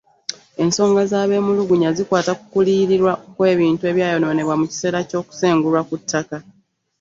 Ensonga z'abemulugunya zikwata ku kuliyirirwa kw'ebintu ebyayonoonebwa mu kiseera ky'okusengulwa ku ttaka.